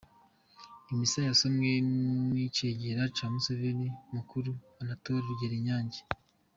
Imisa yasomwe n"icegera ca Musenyeri mukuru Anatole Rugerinyange.